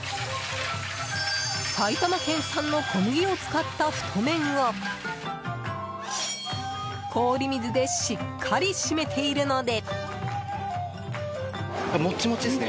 埼玉県産の小麦を使った太麺を氷水でしっかり締めているので。